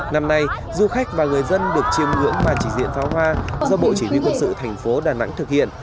năm nay du khách và người dân được chiêm ngưỡng và chỉ diện pháo hoa do bộ chỉ biên quân sự thành phố đà nẵng thực hiện